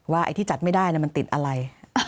ไอ้ที่จัดไม่ได้มันติดอะไร